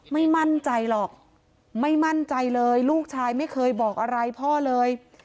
ไม่มั่นใจหรอกไม่มั่นใจเลยลูกชายไม่เคยบอกอะไรพ่อเลย